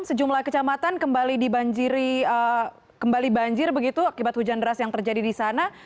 sejumlah kecamatan kembali dibanjiri kembali banjir begitu akibat hujan deras yang terjadi di sana